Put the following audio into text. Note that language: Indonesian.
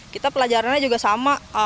kita pelajarannya juga sama